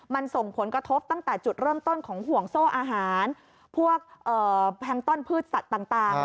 มันส่งผลกระทบตั้งแต่จุดเริ่มต้นของห่วงโซ่อาหารพวกแพงต้นพืชสัตว์ต่าง